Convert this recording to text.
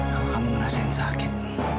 kalau kamu ngerasain sakit